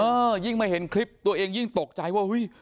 เออยิ่งมาเห็นคลิปตัวเองยิ่งตกใจว่า